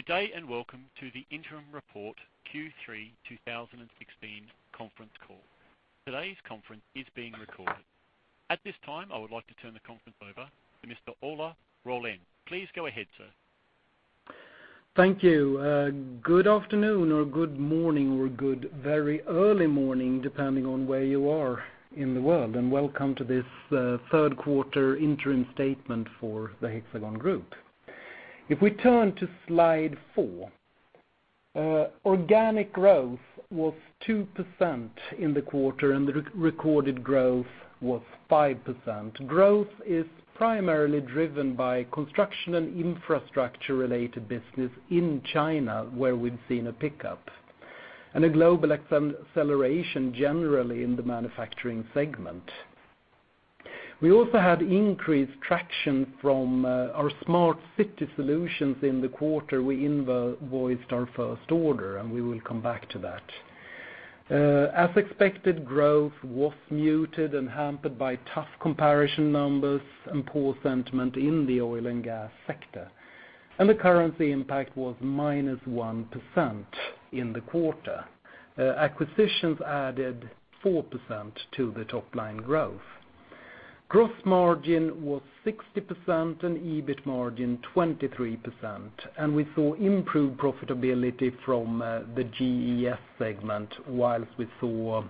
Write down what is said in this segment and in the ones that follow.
Good day. Welcome to the interim report Q3 2016 conference call. Today's conference is being recorded. At this time, I would like to turn the conference over to Mr. Ola Rollén. Please go ahead, sir. Thank you. Good afternoon or good morning or good very early morning, depending on where you are in the world. Welcome to this third quarter interim statement for the Hexagon Group. If we turn to slide four, organic growth was 2% in the quarter. The recorded growth was 5%. Growth is primarily driven by construction and infrastructure-related business in China, where we've seen a pickup, and a global acceleration generally in the manufacturing segment. We also had increased traction from our smart city solutions in the quarter. We invoiced our first order. We will come back to that. As expected, growth was muted and hampered by tough comparison numbers and poor sentiment in the oil and gas sector. The currency impact was minus 1% in the quarter. Acquisitions added 4% to the top-line growth. Gross margin was 60%. EBIT margin 23%. We saw improved profitability from the GES segment, whilst we saw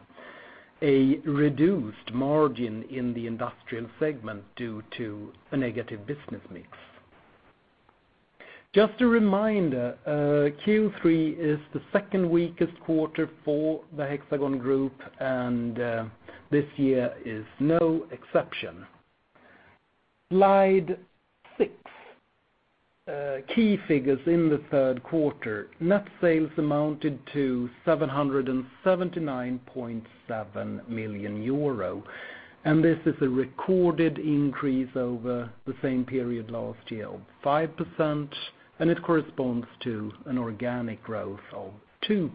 a reduced margin in the industrial segment due to a negative business mix. Just a reminder, Q3 is the second weakest quarter for the Hexagon Group. This year is no exception. Slide six, key figures in the third quarter. Net sales amounted to 779.7 million euro. This is a recorded increase over the same period last year of 5%. It corresponds to an organic growth of 2%.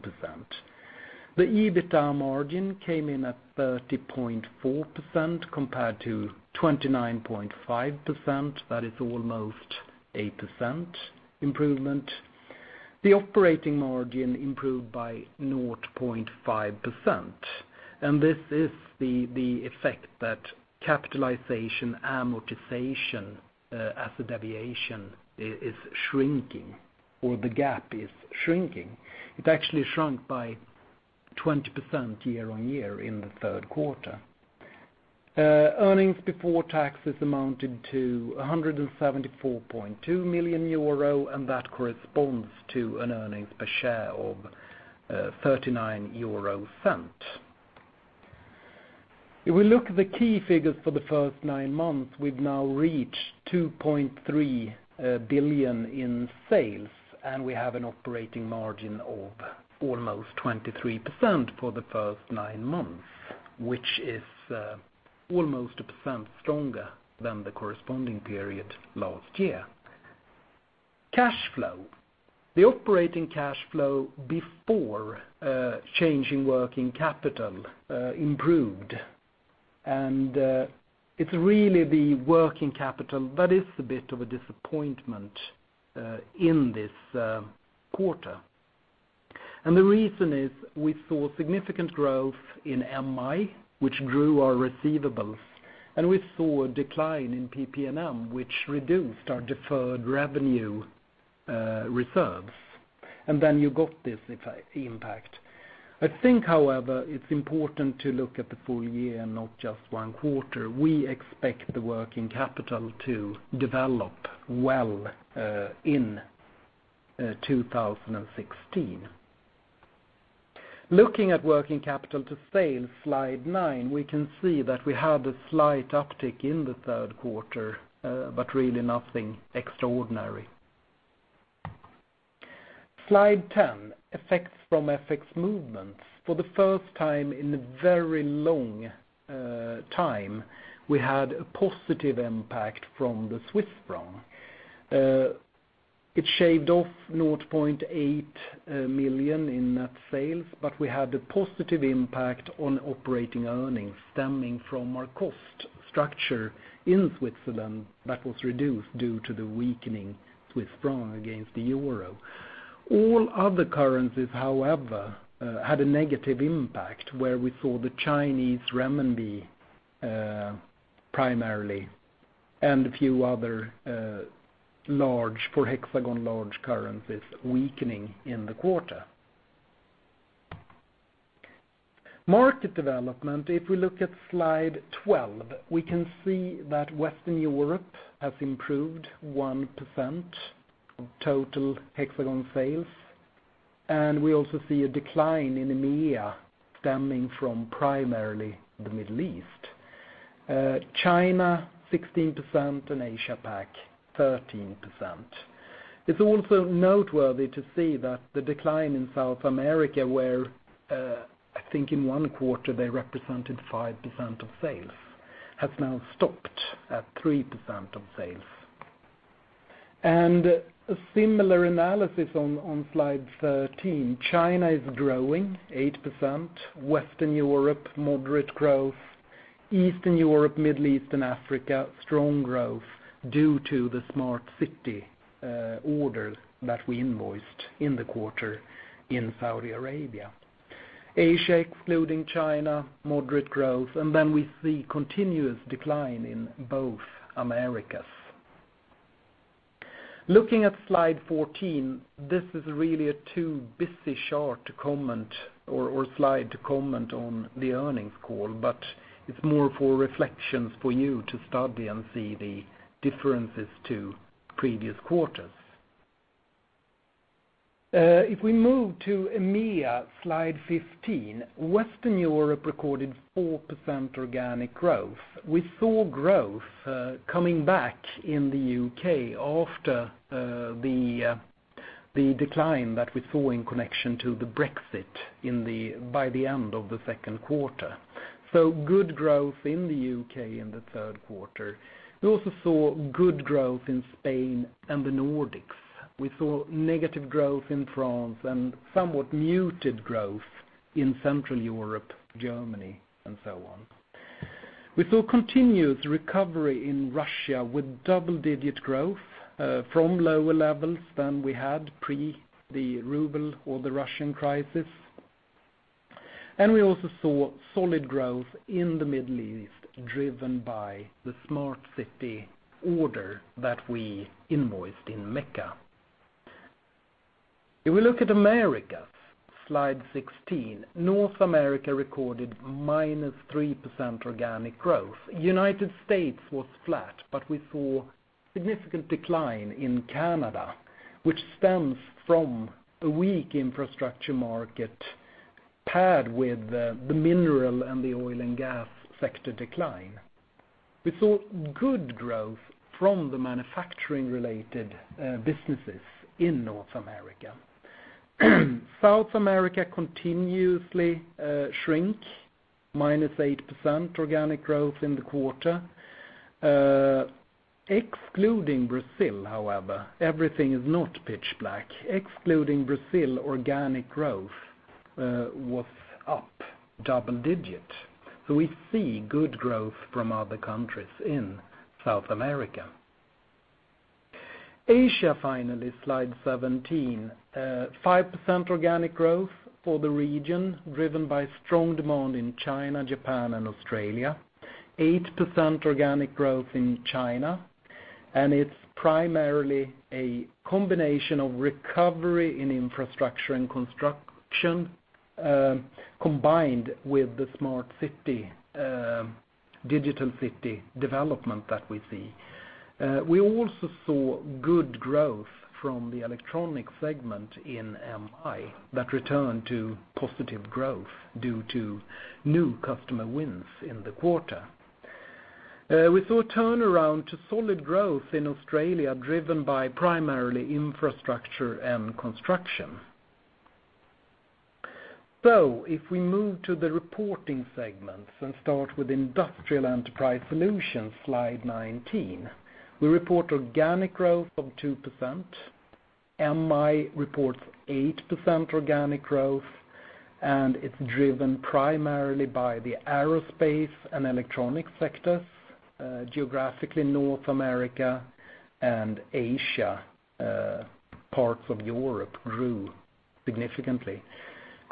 The EBITDA margin came in at 30.4% compared to 29.5%. That is almost 8% improvement. The operating margin improved by 0.5%. This is the effect that capitalization amortization as a deviation is shrinking or the gap is shrinking. It actually shrunk by 20% year-on-year in the third quarter. Earnings before taxes amounted to 174.2 million euro. That corresponds to an earnings per share of 0.39. If we look at the key figures for the first nine months, we've now reached 2.3 billion in sales. We have an operating margin of almost 23% for the first nine months, which is almost 1% stronger than the corresponding period last year. Cash flow. The operating cash flow before change in working capital improved. It's really the working capital that is a bit of a disappointment in this quarter. The reason is we saw significant growth in MI, which grew our receivables. We saw a decline in PP&M, which reduced our deferred revenue reserves. You got this impact. I think, however, it's important to look at the full year, not just one quarter. We expect the working capital to develop well in 2016. Looking at working capital to sales, slide nine, we can see that we had a slight uptick in the third quarter, but really nothing extraordinary. Slide 10, effects from FX movements. For the first time in a very long time, we had a positive impact from the Swiss franc. It shaved off 0.8 million in net sales, but we had a positive impact on operating earnings stemming from our cost structure in Switzerland that was reduced due to the weakening Swiss franc against the euro. All other currencies, however, had a negative impact, where we saw the Chinese renminbi primarily and a few other, for Hexagon, large currencies weakening in the quarter. Market development. If we look at slide 12, we can see that Western Europe has improved 1% of total Hexagon sales, and we also see a decline in EMEA stemming from primarily the Middle East. China 16% and Asia Pac 13%. It's also noteworthy to see that the decline in South America, where I think in one quarter they represented 5% of sales, has now stopped at 3% of sales. A similar analysis on slide 13. China is growing 8%, Western Europe moderate growth. Eastern Europe, Middle East and Africa, strong growth due to the smart city orders that we invoiced in the quarter in Saudi Arabia. Asia, excluding China, moderate growth. We see continuous decline in both Americas. Looking at slide 14, this is really a too busy chart to comment or slide to comment on the earnings call, but it's more for reflections for you to study and see the differences to previous quarters. If we move to EMEA, slide 15, Western Europe recorded 4% organic growth. We saw growth coming back in the U.K. after the decline that we saw in connection to the Brexit by the end of the second quarter. Good growth in the U.K. in the third quarter. We also saw good growth in Spain and the Nordics. We saw negative growth in France and somewhat muted growth in Central Europe, Germany and so on. We saw continued recovery in Russia with double-digit growth from lower levels than we had pre the ruble or the Russian crisis. We also saw solid growth in the Middle East, driven by the smart city order that we invoiced in Mecca. If we look at Americas, slide 16, North America recorded minus 3% organic growth. United States was flat, but we saw significant decline in Canada, which stems from a weak infrastructure market paired with the mineral and the oil and gas sector decline. We saw good growth from the manufacturing-related businesses in North America. South America continuously shrink, minus 8% organic growth in the quarter. Excluding Brazil, however, everything is not pitch black. Excluding Brazil, organic growth was up double digit. We see good growth from other countries in South America. Asia, finally, slide 17, 5% organic growth for the region, driven by strong demand in China, Japan and Australia. 8% organic growth in China. It's primarily a combination of recovery in infrastructure and construction, combined with the smart city, digital city development that we see. We also saw good growth from the electronic segment in MI that returned to positive growth due to new customer wins in the quarter. We saw a turnaround to solid growth in Australia, driven by primarily infrastructure and construction. If we move to the reporting segments and start with Industrial Enterprise Solutions, slide 19, we report organic growth of 2%. MI reports 8% organic growth. It's driven primarily by the aerospace and electronic sectors. Geographically, North America and Asia, parts of Europe grew significantly.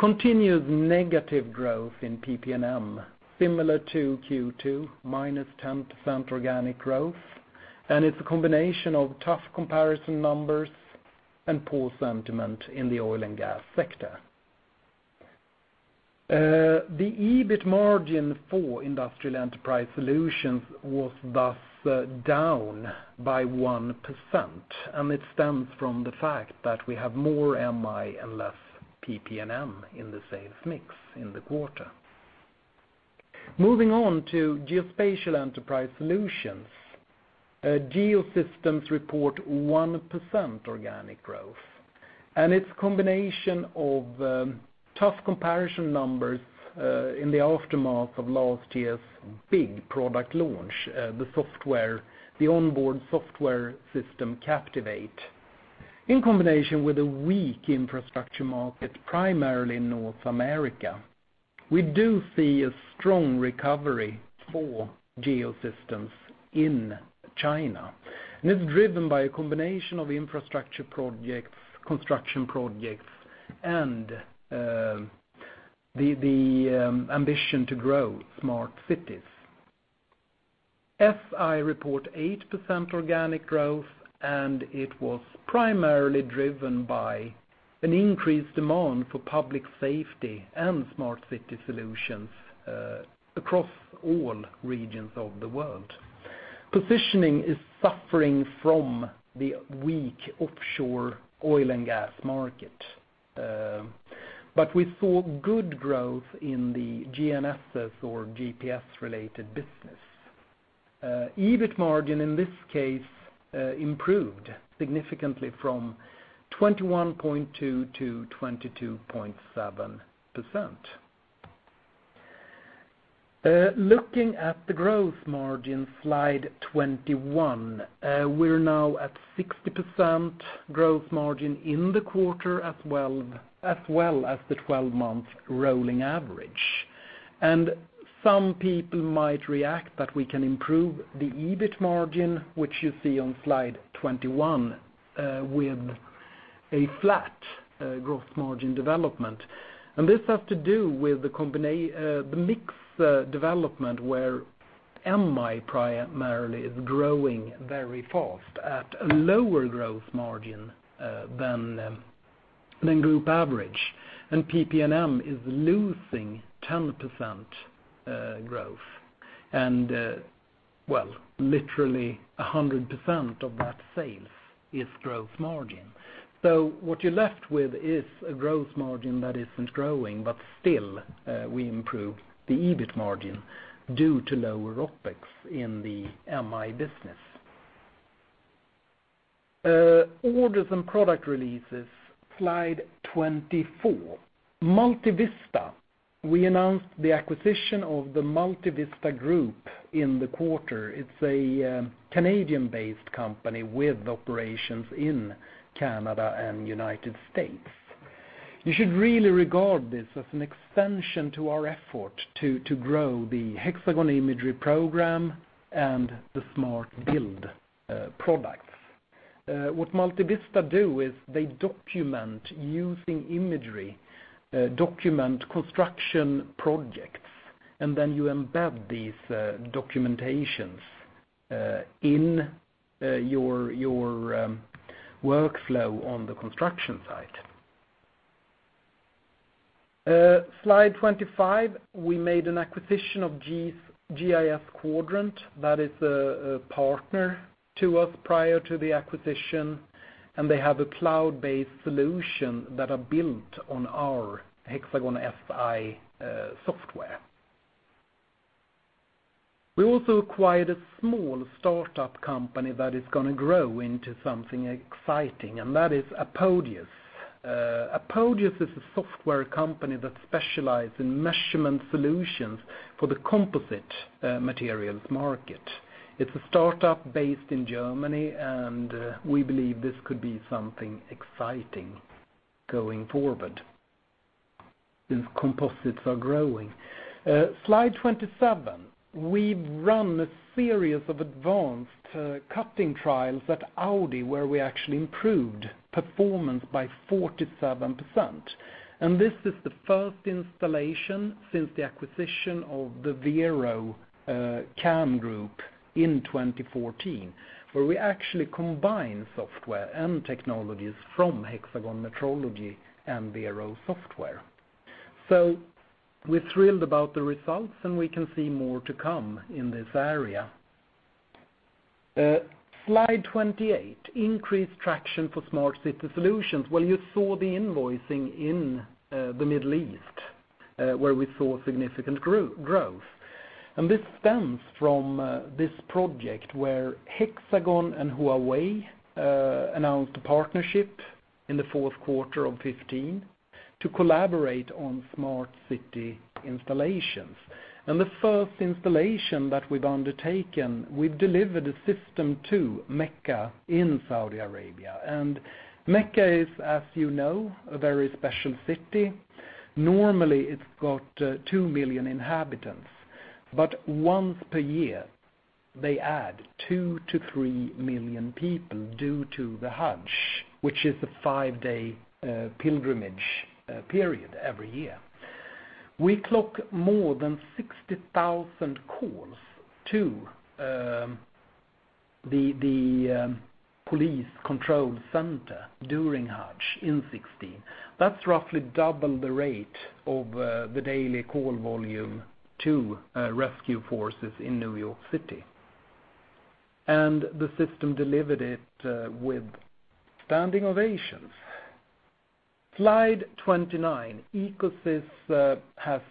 Continued negative growth in PP&M, similar to Q2, minus 10% organic growth. It's a combination of tough comparison numbers and poor sentiment in the oil and gas sector. The EBIT margin for Industrial Enterprise Solutions was thus down by 1%. It stems from the fact that we have more MI and less PP&M in the sales mix in the quarter. Moving on to Geospatial Enterprise Solutions. Geosystems report 1% organic growth. It's a combination of tough comparison numbers in the aftermath of last year's big product launch, the onboard software system, Captivate. In combination with a weak infrastructure market, primarily in North America, we do see a strong recovery for Geosystems in China. It's driven by a combination of infrastructure projects, construction projects, and the ambition to grow smart cities. SI report 8% organic growth. It was primarily driven by an increased demand for public safety and smart city solutions across all regions of the world. Positioning is suffering from the weak offshore oil and gas market. We saw good growth in the GNSS or GPS-related business. EBIT margin, in this case, improved significantly from 21.2% to 22.7%. Looking at the growth margin, slide 21. We're now at 60% growth margin in the quarter, as well as the 12-month rolling average. Some people might react that we can improve the EBIT margin, which you see on slide 21, with a flat growth margin development. This has to do with the mix development, where MI primarily is growing very fast at a lower growth margin than group average. PP&M is losing 10% growth. Well, literally 100% of that sales is growth margin. What you're left with is a growth margin that isn't growing, but still, we improve the EBIT margin due to lower OPEX in the MI business. Orders and product releases, slide 24. Multivista. We announced the acquisition of the Multivista group in the quarter. It's a Canadian-based company with operations in Canada and the United States. You should really regard this as an extension to our effort to grow the Hexagon imagery program and the SMART Build products. What Multivista do is they document using imagery, document construction projects, and then you embed these documentations in your workflow on the construction site. Slide 25, we made an acquisition of GIS Quadrant, that is a partner to us prior to the acquisition. They have a cloud-based solution that are built on our Hexagon SI software. We also acquired a small startup company that is going to grow into something exciting. That is Apodius. Apodius is a software company that specialize in measurement solutions for the composite materials market. It's a startup based in Germany. We believe this could be something exciting going forward, since composites are growing. Slide 27. We've run a series of advanced cutting trials at Audi, where we actually improved performance by 47%. This is the first installation since the acquisition of the Vero CAM Group in 2014, where we actually combine software and technologies from Hexagon Metrology and Vero Software. We're thrilled about the results. We can see more to come in this area. Slide 28, increased traction for smart city solutions, where you saw the invoicing in the Middle East, where we saw significant growth. This stems from this project where Hexagon and Huawei announced a partnership in the fourth quarter of 2015 to collaborate on smart city installations. The first installation that we've undertaken, we've delivered a system to Mecca in Saudi Arabia. Mecca is, as you know, a very special city. Normally, it's got 2 million inhabitants. Once per year, they add 2 to 3 million people due to the Hajj, which is a five-day pilgrimage period every year. We clock more than 60,000 calls to the police control center during Hajj in 2016. That's roughly double the rate of the daily call volume to rescue forces in New York City. The system delivered it with standing ovations. Slide 29. EcoSys has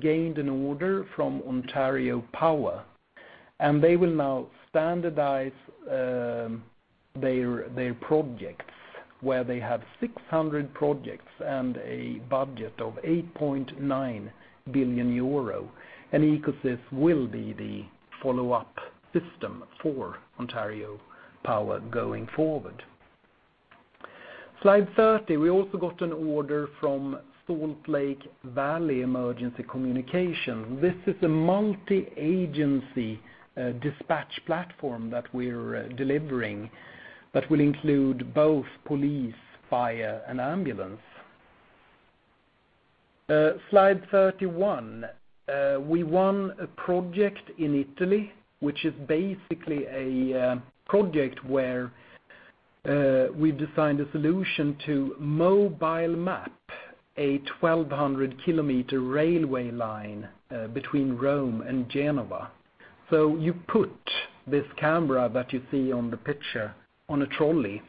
gained an order from Ontario Power. They will now standardize their projects, where they have 600 projects and a budget of 8.9 billion euro, and EcoSys will be the follow-up system for Ontario Power going forward. Slide 30, we also got an order from Salt Lake Valley Emergency Communication. This is a multi-agency dispatch platform that we're delivering that will include both police, fire, and ambulance. Slide 31. We won a project in Italy, which is basically a project where we've designed a solution to mobile map a 1,200-kilometer railway line between Rome and Genova. You put this camera that you see on the picture on a trolley.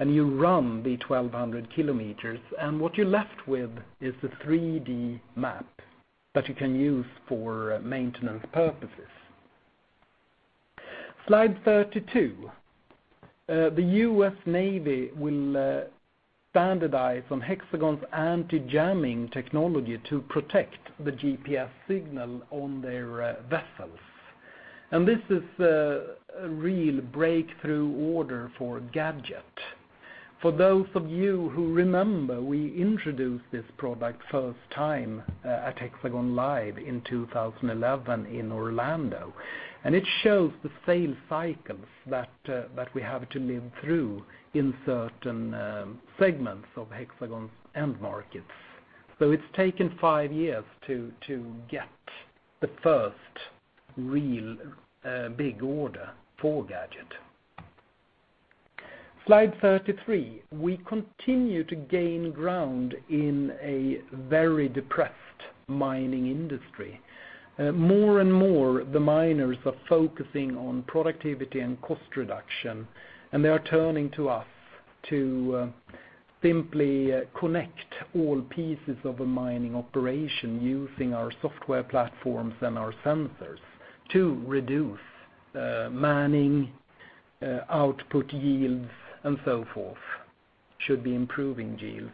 You run the 1,200 kilometers. What you're left with is a 3D map that you can use for maintenance purposes. Slide 32. The U.S. Navy will standardize on Hexagon's anti-jamming technology to protect the GPS signal on their vessels. This is a real breakthrough order for GAJT. For those of you who remember, we introduced this product first time at Hexagon LIVE in 2011 in Orlando. It shows the same cycles that we have to live through in certain segments of Hexagon's end markets. It's taken five years to get the first real big order for GAJT. Slide 33. We continue to gain ground in a very depressed mining industry. More and more, the miners are focusing on productivity and cost reduction. They are turning to us to simply connect all pieces of a mining operation using our software platforms and our sensors to reduce manning, output yields, and so forth. Should be improving yields.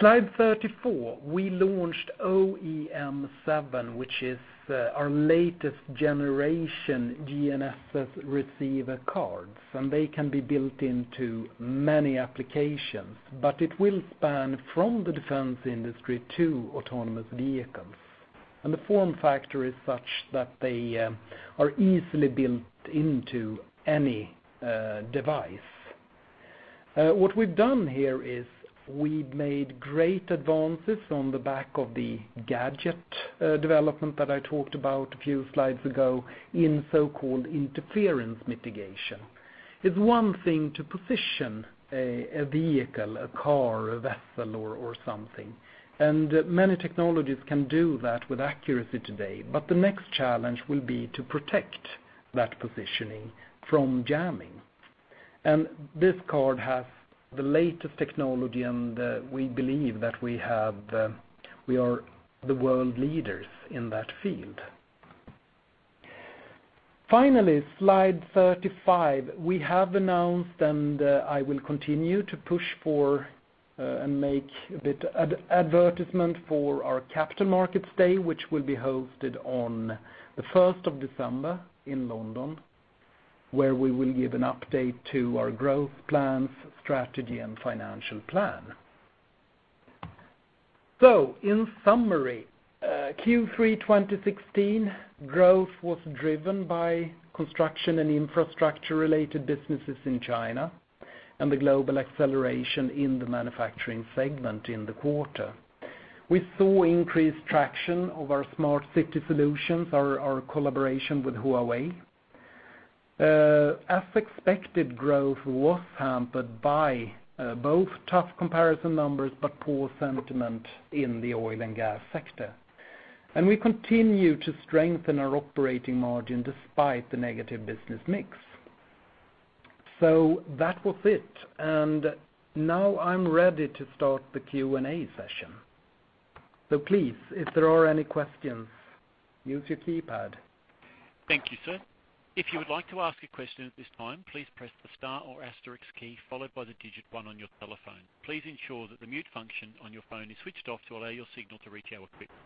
Slide 34. We launched OEM7, which is our latest generation GNSS receiver cards. They can be built into many applications, but it will span from the defense industry to autonomous vehicles. The form factor is such that they are easily built into any device. What we've done here is we've made great advances on the back of the GAJT development that I talked about a few slides ago in so-called interference mitigation. It's one thing to position a vehicle, a car, a vessel, or something, and many technologies can do that with accuracy today. The next challenge will be to protect that positioning from jamming. This card has the latest technology, and we believe that we are the world leaders in that field. Finally, slide 35. We have announced, and I will continue to push for, and make a bit of advertisement for our Capital Markets Day, which will be hosted on the 1st of December in London, where we will give an update to our growth plans, strategy, and financial plan. In summary, Q3 2016 growth was driven by construction and infrastructure-related businesses in China and the global acceleration in the manufacturing segment in the quarter. We saw increased traction of our smart city solutions, our collaboration with Huawei. As expected, growth was hampered by both tough comparison numbers, but poor sentiment in the oil and gas sector. We continue to strengthen our operating margin despite the negative business mix. That was it. Now I'm ready to start the Q&A session. Please, if there are any questions, use your keypad. Thank you, sir. If you would like to ask a question at this time, please press the star or asterisk key followed by the digit 1 on your telephone. Please ensure that the mute function on your phone is switched off to allow your signal to reach our equipment.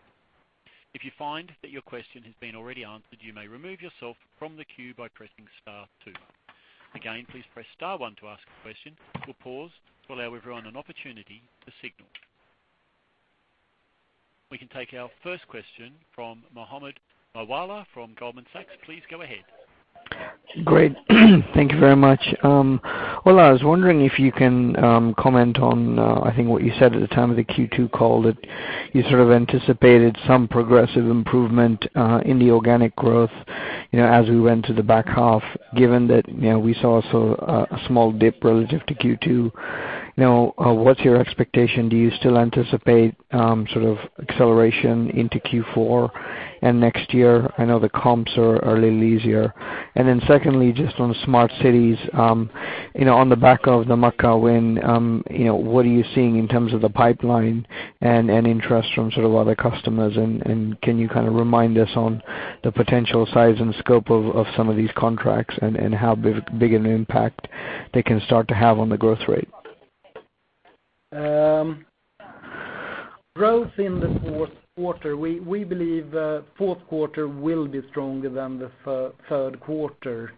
If you find that your question has been already answered, you may remove yourself from the queue by pressing star 2. Again, please press star 1 to ask a question. We'll pause to allow everyone an opportunity to signal. We can take our first question from Mohammed Moawalla from Goldman Sachs. Please go ahead. Great. Thank you very much. Ola, I was wondering if you can comment on, I think what you said at the time of the Q2 call, that you anticipated some progressive improvement in the organic growth as we went to the back half, given that we saw a small dip relative to Q2. Now, what's your expectation? Do you still anticipate acceleration into Q4 and next year? I know the comps are a little easier. Then secondly, just on smart cities, on the back of the Makkah win, what are you seeing in terms of the pipeline and interest from other customers? Can you remind us on the potential size and scope of some of these contracts and how big an impact they can start to have on the growth rate? Growth in the fourth quarter, we believe fourth quarter will be stronger than the third quarter.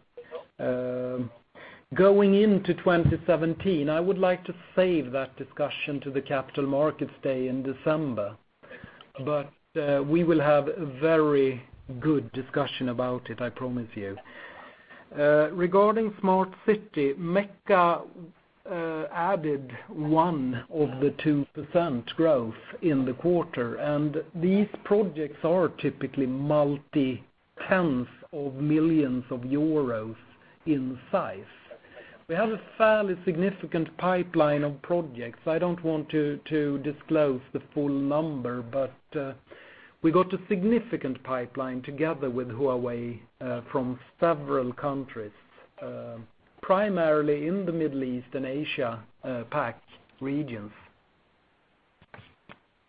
Going into 2017, I would like to save that discussion to the Capital Markets Day in December. We will have very good discussion about it, I promise you. Regarding smart city, Mecca added 1%-2% growth in the quarter, and these projects are typically multi-tens of millions of EUR in size. We have a fairly significant pipeline of projects. I don't want to disclose the full number, but we got a significant pipeline together with Huawei from several countries, primarily in the Middle East and Asia Pac regions.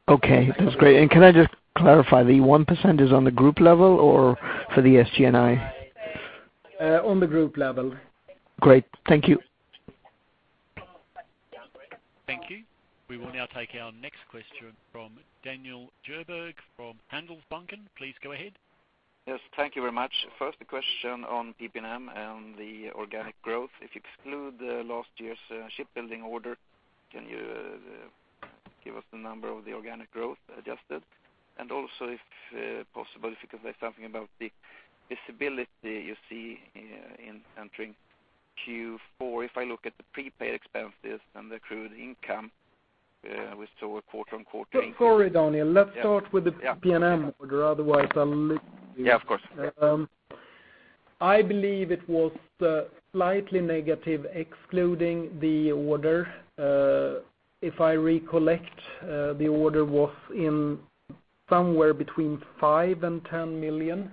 Okay, that's great. Can I just clarify, the 1% is on the group level or for the S&I? On the group level. Great. Thank you. Thank you. We will now take our next question from Daniel Djurberg from Handelsbanken. Please go ahead. Yes, thank you very much. First, a question on PP&M and the organic growth. If you exclude last year's shipbuilding order, can you give us the number of the organic growth adjusted? Also, if possible, if you could say something about the visibility you see in entering Q4. If I look at the prepaid expenses and accrued income, we saw quarter on quarter- Sorry, Daniel. Let's start with the PP&M order. Otherwise, I'll lose you. Yeah, of course. I believe it was slightly negative, excluding the order. If I recollect, the order was in somewhere between 5 million and 10 million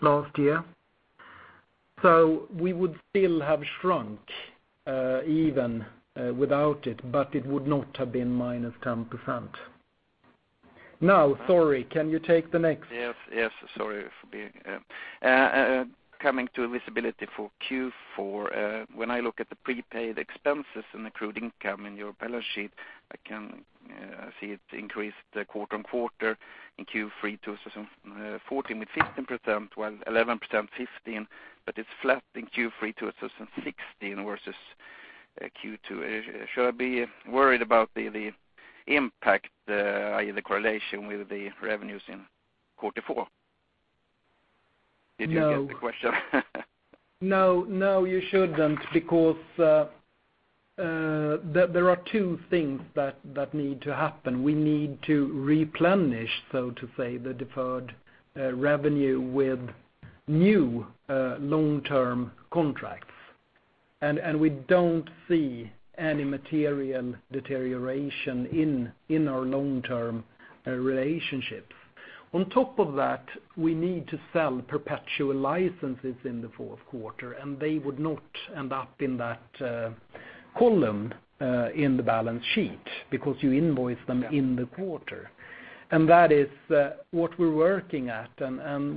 last year. We would still have shrunk, even without it, but it would not have been -10%. Sorry, can you take the next? Yes, coming to visibility for Q4, when I look at the prepaid expenses and accrued income in your balance sheet, I can see it increased quarter-on-quarter in Q3 2014 with 15%, well 11%, 15, but it's flat in Q3 2016 versus Q2. Should I be worried about the impact, i.e., the correlation with the revenues in Q4? Did you get the question? No, you shouldn't, because there are two things that need to happen. We need to replenish, so to say, the deferred revenue with new long-term contracts, and we don't see any material deterioration in our long-term relationships. On top of that, we need to sell perpetual licenses in the fourth quarter, and they would not end up in that column in the balance sheet, because you invoice them in the quarter. That is what we're working at.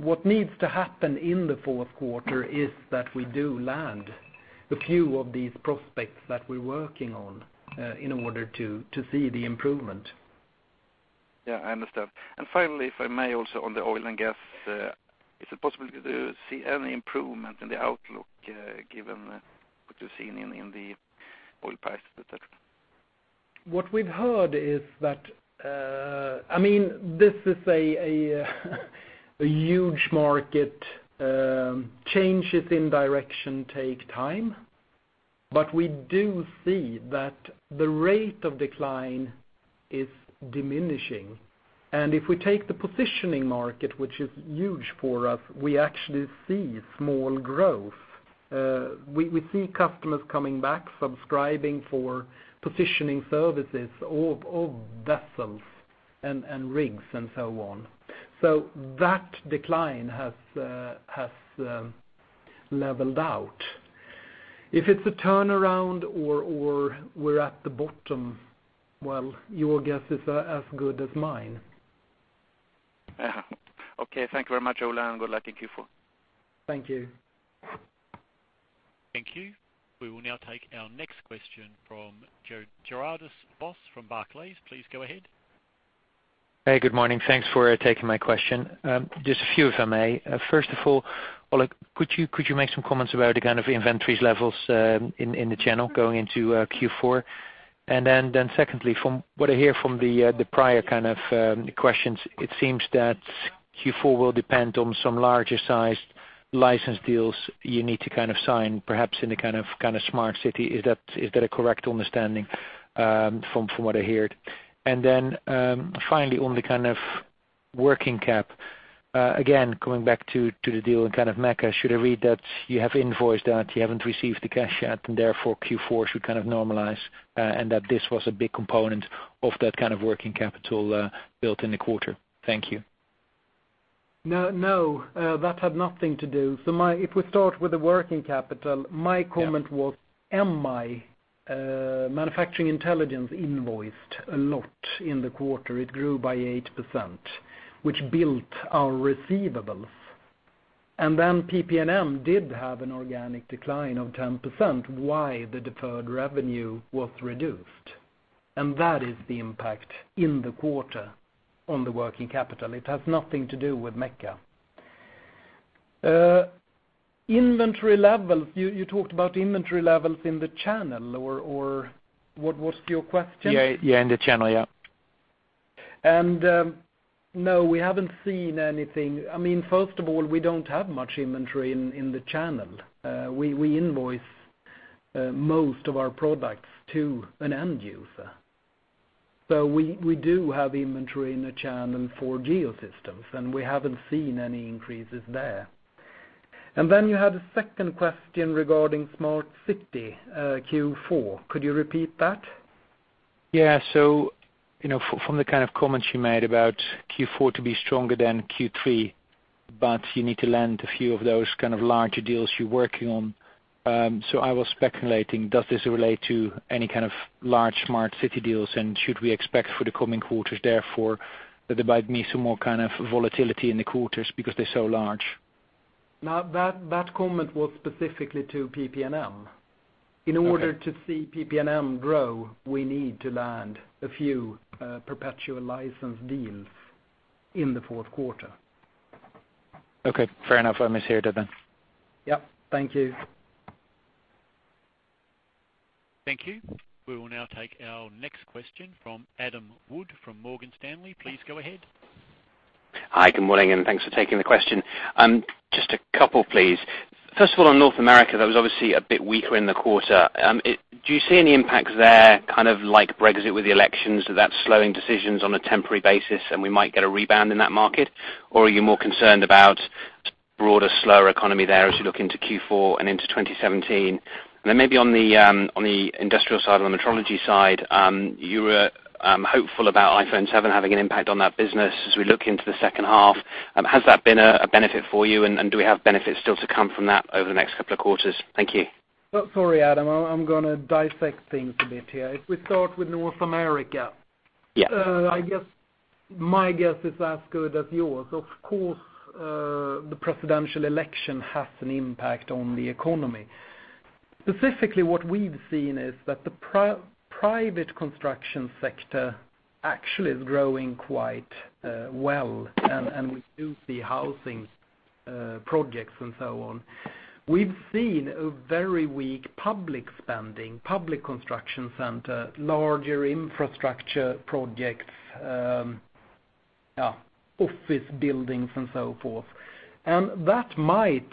What needs to happen in the fourth quarter is that we do land a few of these prospects that we're working on in order to see the improvement. Yeah, I understand. Finally, if I may also on the oil and gas, is it possible to see any improvement in the outlook given what you've seen in the oil prices, et cetera? What we've heard is that This is a huge market. Changes in direction take time, we do see that the rate of decline is diminishing. If we take the positioning market, which is huge for us, we actually see small growth. We see customers coming back, subscribing for positioning services of vessels and rigs and so on. That decline has leveled out. If it's a turnaround or we're at the bottom, well, your guess is as good as mine. Okay. Thank you very much, Ola, good luck in Q4. Thank you. Thank you. We will now take our next question from Gerardus Vos from Barclays. Please go ahead. Hey, good morning. Thanks for taking my question. Just a few, if I may. First of all, Ola, could you make some comments about the kind of inventories levels in the channel going into Q4? Secondly, from what I hear from the prior kind of questions, it seems that Q4 will depend on some larger sized license deals you need to sign perhaps in the Smart City. Is that a correct understanding from what I heard? Finally, on the working cap, again, going back to the deal in Mecca, should I read that you have invoiced that, you haven't received the cash yet, and therefore Q4 should normalize, and that this was a big component of that working capital built in the quarter? Thank you. No, that had nothing to do. If we start with the working capital, my comment was MI, Manufacturing Intelligence invoiced a lot in the quarter. It grew by 8%, which built our receivables. PP&M did have an organic decline of 10%, why the deferred revenue was reduced. That is the impact in the quarter on the working capital. It has nothing to do with Mecca. Inventory levels, you talked about inventory levels in the channel, or what was your question? Yeah, in the channel, yeah. No, we haven't seen anything. First of all, we don't have much inventory in the channel. We invoice most of our products to an end user. We do have inventory in the channel for Geosystems, and we haven't seen any increases there. You had a second question regarding Smart City Q4. Could you repeat that? From the kind of comments you made about Q4 to be stronger than Q3, but you need to land a few of those larger deals you're working on. I was speculating, does this relate to any kind of large Smart City deals, and should we expect for the coming quarters therefore, there might be some more volatility in the quarters because they're so large? That comment was specifically to PP&M. Okay. In order to see PP&M grow, we need to land a few perpetual license deals in the fourth quarter. Fair enough. I misheard. Yep, thank you. Thank you. We will now take our next question from Adam Wood, from Morgan Stanley. Please go ahead. Hi, good morning, and thanks for taking the question. Just a couple, please. First of all, on North America, that was obviously a bit weaker in the quarter. Do you see any impacts there, like Brexit with the elections, that's slowing decisions on a temporary basis, and we might get a rebound in that market? Or are you more concerned about broader, slower economy there as you look into Q4 and into 2017? Maybe on the industrial side, on the metrology side, you were hopeful about iPhone 7 having an impact on that business as we look into the second half. Has that been a benefit for you, do we have benefits still to come from that over the next couple of quarters? Thank you. Sorry, Adam, I'm going to dissect things a bit here. If we start with North America. Yeah my guess is as good as yours. Of course, the presidential election has an impact on the economy. Specifically, what we've seen is that the private construction sector actually is growing quite well, and we do see housing projects and so on. We've seen a very weak public spending, public construction center, larger infrastructure projects, office buildings and so forth. That might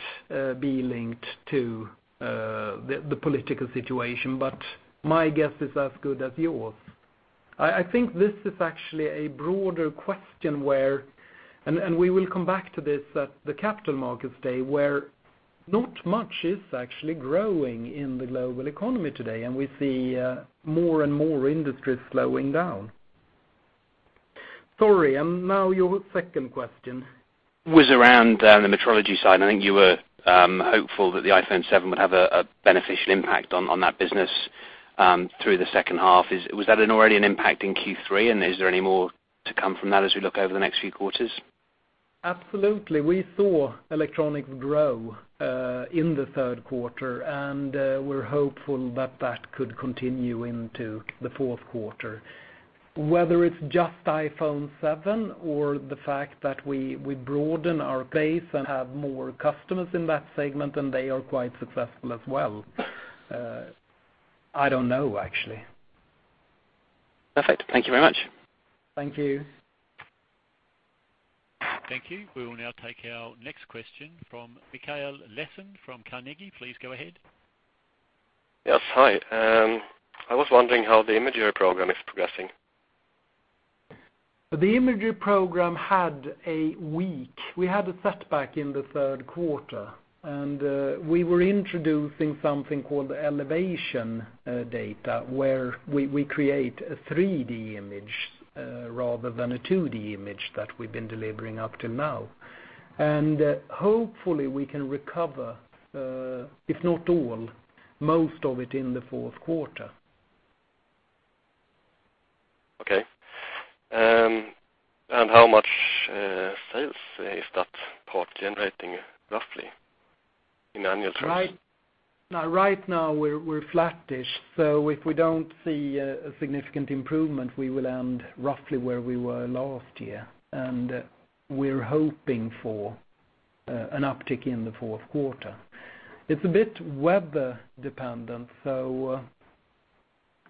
be linked to the political situation, but my guess is as good as yours. I think this is actually a broader question, and we will come back to this at the Capital Markets Day, where not much is actually growing in the global economy today, and we see more and more industries slowing down. Sorry, now your second question. Was around the metrology side. I think you were hopeful that the iPhone 7 would have a beneficial impact on that business through the second half. Was that already an impact in Q3, and is there any more to come from that as we look over the next few quarters? Absolutely. We saw electronics grow in the third quarter, and we're hopeful that that could continue into the fourth quarter. Whether it's just iPhone 7, or the fact that we broaden our base and have more customers in that segment, and they are quite successful as well, I don't know, actually. Perfect. Thank you very much. Thank you. Thank you. We will now take our next question from Mikael Laséen from Carnegie. Please go ahead. Yes, hi. I was wondering how the imagery program is progressing. The imagery program had a week. We had a setback in the third quarter, and we were introducing something called elevation data, where we create a 3D image rather than a 2D image that we've been delivering up till now. Hopefully we can recover, if not all, most of it in the fourth quarter. Okay. How much sales is that part generating roughly, in annual terms? Right now, we're flattish. If we don't see a significant improvement, we will end roughly where we were last year, and we're hoping for an uptick in the fourth quarter. It's a bit weather dependent, so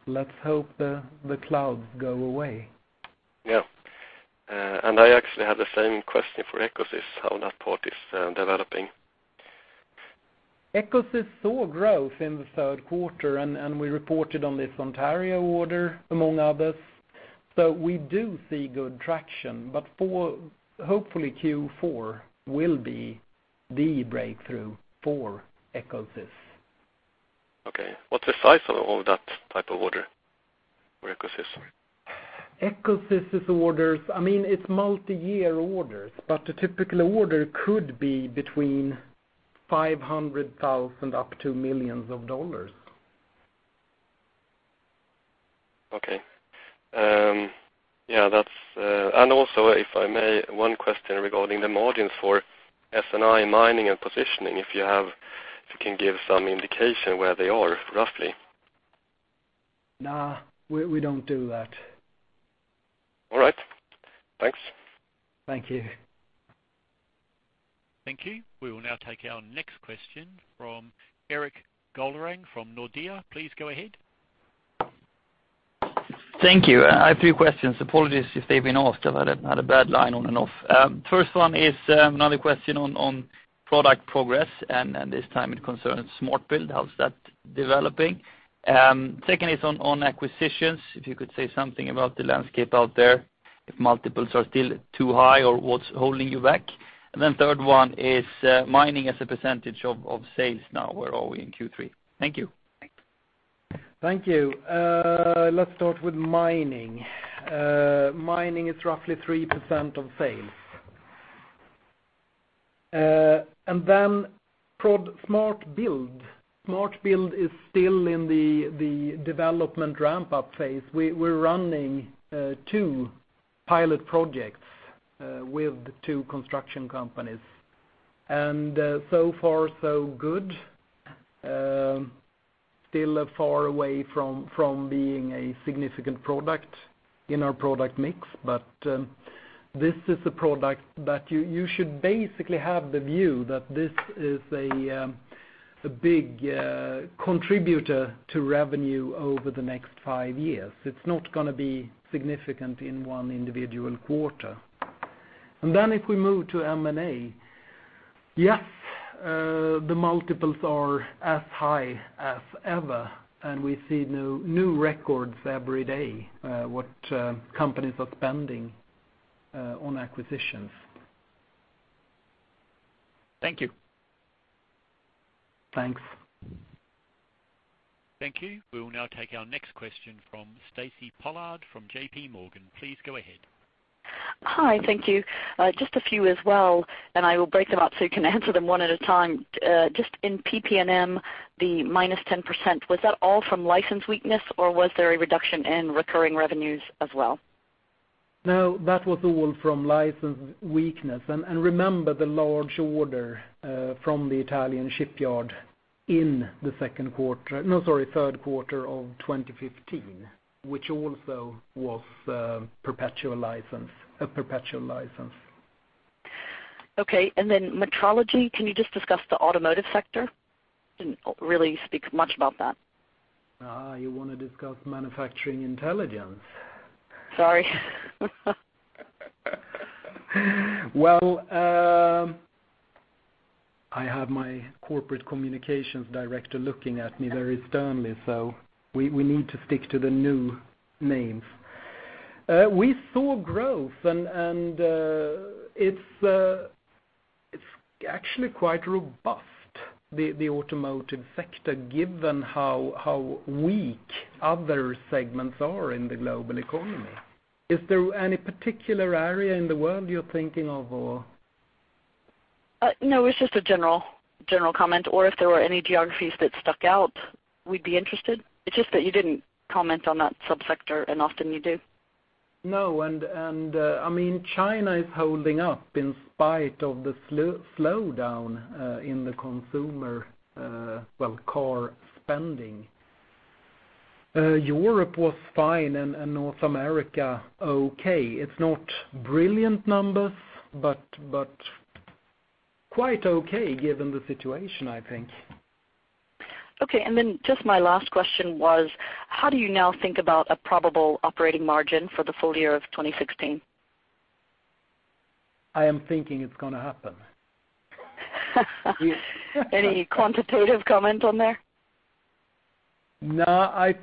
let's hope the clouds go away. Yeah. I actually had the same question for EcoSys, how that part is developing. EcoSys saw growth in the third quarter, and we reported on this Ontario order, among others. We do see good traction, but hopefully Q4 will be the breakthrough for EcoSys. Okay. What's the size of that type of order for EcoSys? EcoSys' orders, it's multi-year orders, but a typical order could be between 500,000 up to millions of EUR. Also, if I may, one question regarding the margins for FNI mining and positioning, if you can give some indication where they are, roughly. No, we don't do that. All right. Thanks. Thank you. Thank you. We will now take our next question from Erik Pettersson-Golrang, from Nordea. Please go ahead. Thank you. I have two questions. Apologies if they've been asked. I've had a bad line on and off. First one is another question on product progress, and this time it concerns SMART Build. How's that developing? Second is on acquisitions, if you could say something about the landscape out there, if multiples are still too high, or what's holding you back. Third one is mining as a percentage of sales now. Where are we in Q3? Thank you. Thank you. Let's start with mining. Mining is roughly 3% of sales. Smart Build. Smart Build is still in the development ramp-up phase. We're running two pilot projects with two construction companies, and so far so good. Still far away from being a significant product in our product mix, but this is a product that you should basically have the view that this is a big contributor to revenue over the next five years. It's not going to be significant in one individual quarter. If we move to M&A, yes, the multiples are as high as ever, and we see new records every day, what companies are spending on acquisitions. Thank you. Thanks. Thank you. We will now take our next question from Stacy Pollard from JP Morgan. Please go ahead. Hi. Thank you. Just a few as well, and I will break them up so you can answer them one at a time. Just in PP&M, the minus 10%, was that all from license weakness, or was there a reduction in recurring revenues as well? No, that was all from license weakness. Remember the large order from the Italian shipyard in the third quarter of 2015, which also was a perpetual license. Okay. Then Metrology, can you just discuss the automotive sector? Didn't really speak much about that. You want to discuss Manufacturing Intelligence. Sorry. Well, I have my corporate communications director looking at me very sternly, we need to stick to the new names. We saw growth, it's actually quite robust, the automotive sector, given how weak other segments are in the global economy. Is there any particular area in the world you're thinking of, or? No, it's just a general comment. If there were any geographies that stuck out, we'd be interested. It's just that you didn't comment on that sub-sector, often you do. No, China is holding up in spite of the slowdown in the consumer car spending. Europe was fine and North America okay. It's not brilliant numbers, but quite okay given the situation, I think. Okay, just my last question was, how do you now think about a probable operating margin for the full year of 2016? I am thinking it's going to happen. Any quantitative comment on there? No.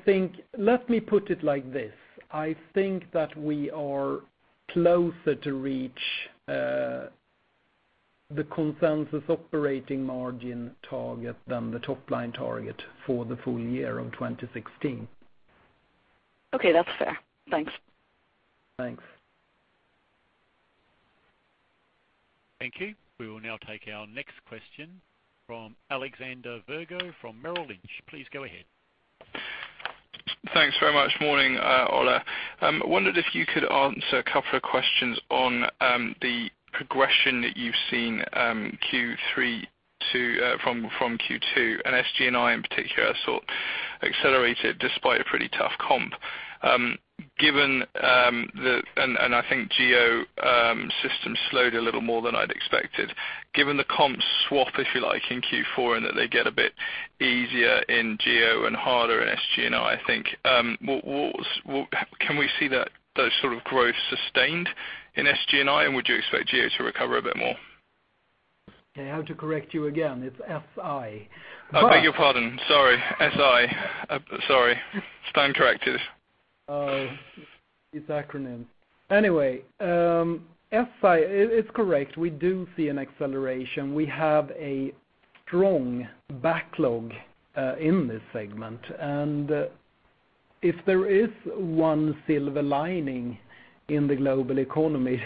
Let me put it like this. I think that we are closer to reach the consensus operating margin target than the top-line target for the full year of 2016. Okay, that's fair. Thanks. Thanks. Thank you. We will now take our next question from Alexander Virgo from Merrill Lynch. Please go ahead. Thanks very much. Morning, Ola. Wondered if you could answer a couple of questions on the progression that you've seen from Q2, and SG&I in particular, sort of accelerated despite a pretty tough comp. I think Geosystems slowed a little more than I'd expected. Given the comp swap, if you like, in Q4, that they get a bit easier in Geosystems and harder in SG&I think, can we see that those sort of growth sustained in SG&I, and would you expect Geosystems to recover a bit more? I have to correct you again. It's SI. I beg your pardon, sorry. SI. Sorry. Stone corrective. Oh, these acronyms. Anyway, SI is correct. We do see an acceleration. We have a strong backlog in this segment. If there is one silver lining in the global economy,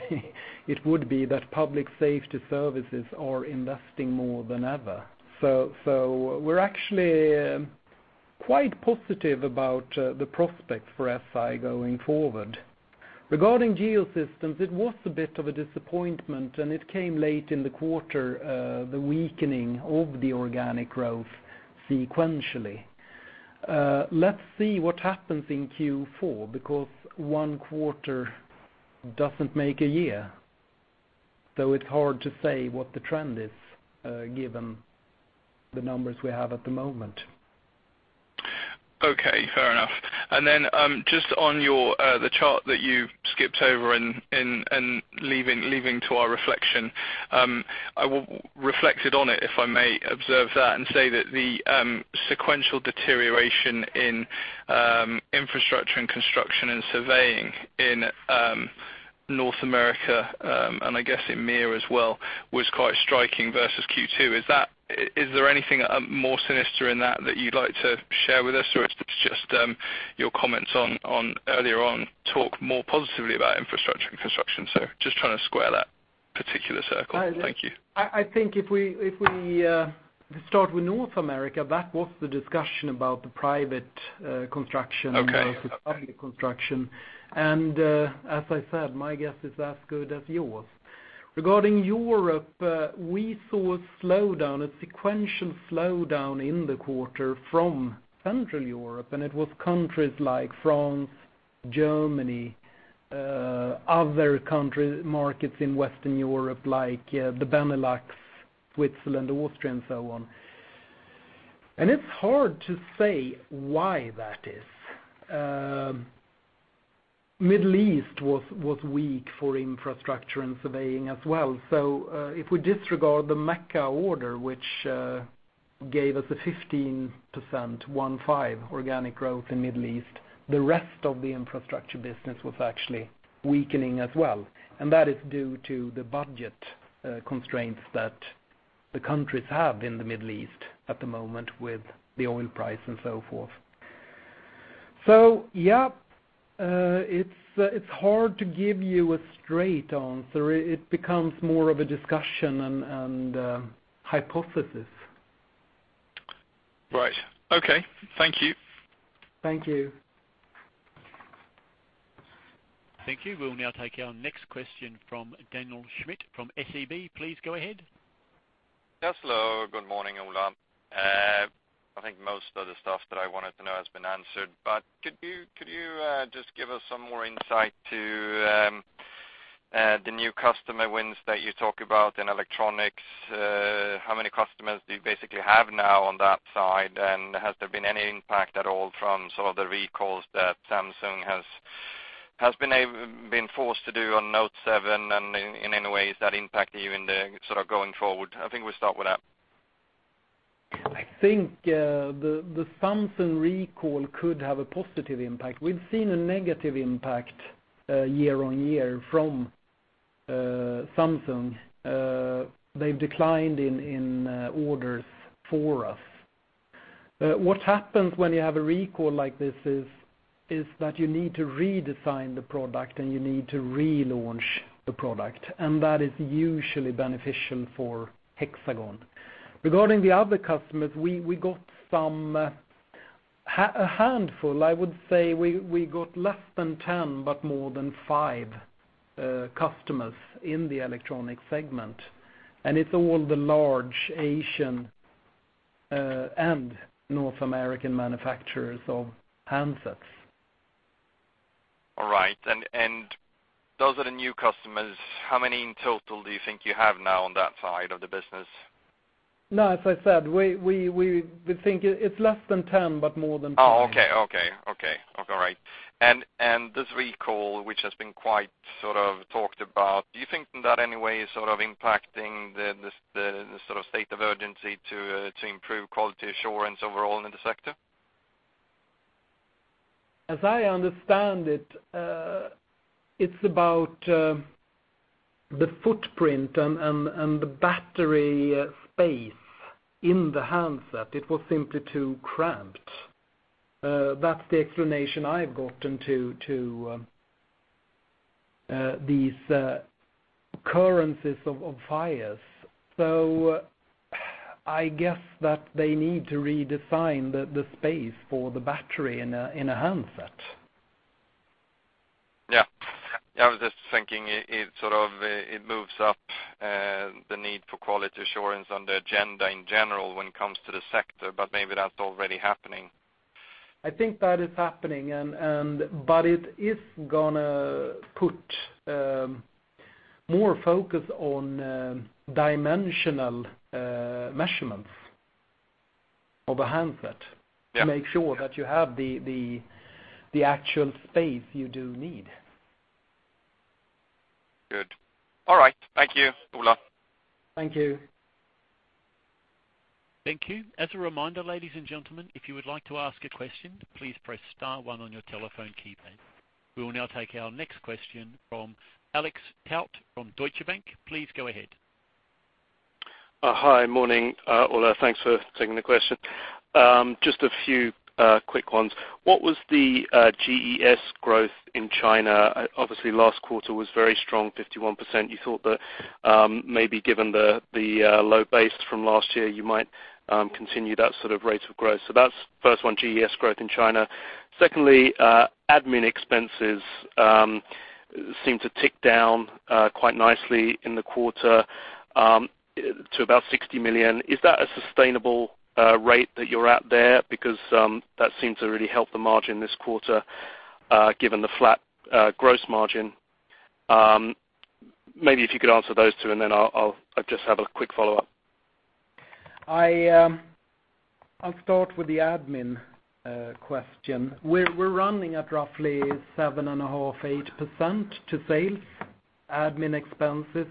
it would be that public safety services are investing more than ever. We're actually quite positive about the prospects for SI going forward. Regarding Geosystems, it was a bit of a disappointment, it came late in the quarter, the weakening of the organic growth sequentially. Let's see what happens in Q4, because one quarter doesn't make a year, so it's hard to say what the trend is given the numbers we have at the moment. Okay, fair enough. Just on the chart that you skipped over and leaving to our reflection. I reflected on it, if I may observe that and say that the sequential deterioration in infrastructure and construction and surveying in North America, and I guess in EMEA as well, was quite striking versus Q2. Is there anything more sinister in that that you'd like to share with us, or it's just your comments earlier on talk more positively about infrastructure and construction? Just trying to square that. Vicious circle. Thank you. I think if we start with North America, that was the discussion about the private construction. Okay versus public construction. As I said, my guess is as good as yours. Regarding Europe, we saw a sequential slowdown in the quarter from Central Europe, and it was countries like France, Germany, other markets in Western Europe like the Benelux, Switzerland, Austria, and so on. It's hard to say why that is. Middle East was weak for infrastructure and surveying as well. If we disregard the Mecca order, which gave us a 15%, one five, organic growth in Middle East, the rest of the infrastructure business was actually weakening as well. That is due to the budget constraints that the countries have in the Middle East at the moment with the oil price and so forth. Yeah, it's hard to give you a straight answer. It becomes more of a discussion and hypothesis. Right. Okay. Thank you. Thank you. Thank you. We will now take our next question from Daniel Schmidt from SEB. Please go ahead. Yes, hello. Good morning, Ola. I think most of the stuff that I wanted to know has been answered, but could you just give us some more insight to the new customer wins that you talk about in electronics? Has there been any impact at all from the recalls that Samsung has been forced to do on Galaxy Note7? In any way, is that impacting you going forward? I think we'll start with that. I think the Samsung recall could have a positive impact. We've seen a negative impact year-on-year from Samsung. They've declined in orders for us. What happens when you have a recall like this is that you need to redesign the product, and you need to relaunch the product, and that is usually beneficial for Hexagon. Regarding the other customers, we got a handful, I would say we got less than 10 but more than five customers in the electronic segment, and it's all the large Asian and North American manufacturers of handsets. All right. Those are the new customers. How many in total do you think you have now on that side of the business? No, as I said, we think it's less than 10, but more than five. Oh, okay. All right. This recall, which has been quite talked about, do you think that in any way is impacting the state of urgency to improve quality assurance overall in the sector? As I understand it's about the footprint and the battery space in the handset. It was simply too cramped. That's the explanation I've gotten to these occurrences of fires. I guess that they need to redesign the space for the battery in a handset. Yeah. I was just thinking it moves up the need for quality assurance on the agenda in general when it comes to the sector, but maybe that's already happening. I think that is happening, but it is going to put more focus on dimensional measurements of a handset- Yeah to make sure that you have the actual space you do need. Good. All right. Thank you, Ola. Thank you. Thank you. As a reminder, ladies and gentlemen, if you would like to ask a question, please press *1 on your telephone keypad. We will now take our next question from Alex Tout from Deutsche Bank. Please go ahead. Hi. Morning, Ola. Thanks for taking the question. Just a few quick ones. What was the GES growth in China? Obviously, last quarter was very strong, 51%. You thought that maybe given the low base from last year, you might continue that sort of rate of growth. That's the first one, GES growth in China. Secondly, admin expenses seem to tick down quite nicely in the quarter to about 60 million. Is that a sustainable rate that you're at there? That seemed to really help the margin this quarter, given the flat gross margin. Maybe if you could answer those two, I just have a quick follow-up. I'll start with the admin question. We're running at roughly 7.5%, 8% to sales, admin expenses.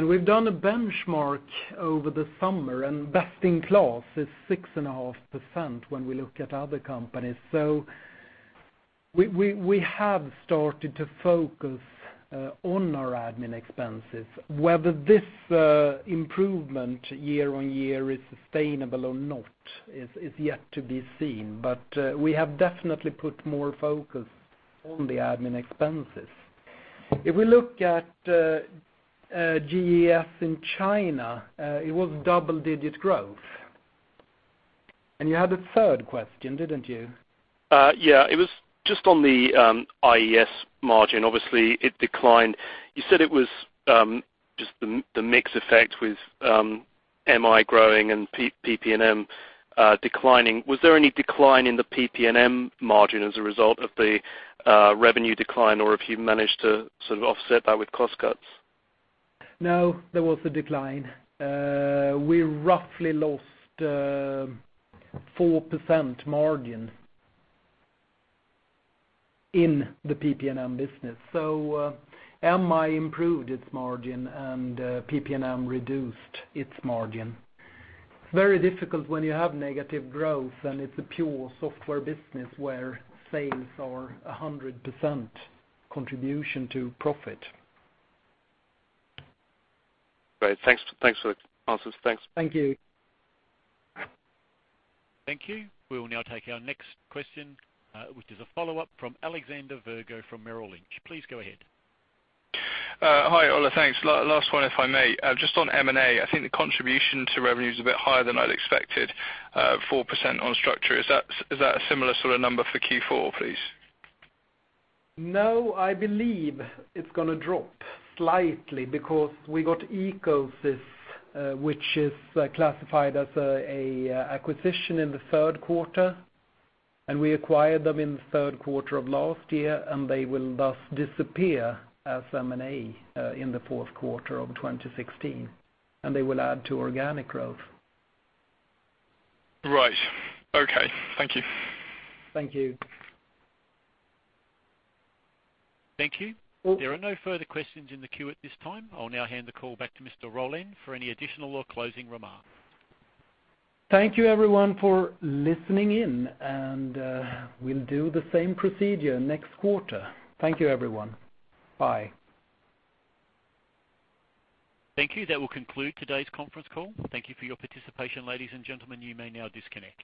We've done a benchmark over the summer, and best in class is 6.5% when we look at other companies. We have started to focus on our admin expenses. Whether this improvement year-on-year is sustainable or not is yet to be seen. We have definitely put more focus on the admin expenses. If we look at GES in China, it was double-digit growth. You had a third question, didn't you? Yeah. It was just on the IES margin. Obviously, it declined. You said it was just the mix effect with MI growing and PP&M declining. Was there any decline in the PP&M margin as a result of the revenue decline, or have you managed to sort of offset that with cost cuts? No, there was a decline. We roughly lost 4% margin in the PP&M business. MI improved its margin, and PP&M reduced its margin. It's very difficult when you have negative growth, and it's a pure software business where sales are 100% contribution to profit. Great. Thanks for the answers. Thanks. Thank you. Thank you. We will now take our next question, which is a follow-up from Alexander Virgo from Merrill Lynch. Please go ahead. Hi, Ola. Thanks. Last one, if I may. Just on M&A, I think the contribution to revenue is a bit higher than I'd expected, 4% on structure. Is that a similar sort of number for Q4, please? No, I believe it's going to drop slightly because we got EcoSys, which is classified as an acquisition in the third quarter, and we acquired them in the third quarter of last year, and they will thus disappear as M&A in the fourth quarter of 2016, and they will add to organic growth. Right. Okay. Thank you. Thank you. Thank you. There are no further questions in the queue at this time. I'll now hand the call back to Mr. Rollén for any additional or closing remarks. Thank you, everyone, for listening in. We'll do the same procedure next quarter. Thank you, everyone. Bye. Thank you. That will conclude today's conference call. Thank you for your participation, ladies and gentlemen. You may now disconnect.